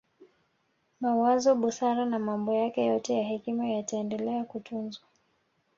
Mawazo busara na mambo yake yote ya hekima yataendele kutunzwa